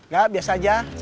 gak biasa aja